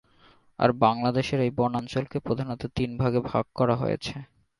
আর বাংলাদেশের এই বনাঞ্চলকে প্রধানত তিন ভাগে ভাগ করা হয়েছে।